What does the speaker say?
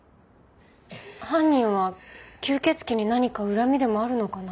犯人は吸血鬼に何か恨みでもあるのかな？